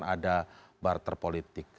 bahkan ada barter politik